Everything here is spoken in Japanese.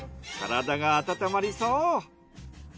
体が温まりそう。